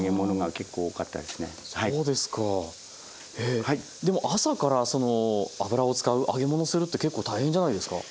えでも朝から油を使う揚げ物をするって結構大変じゃないですか？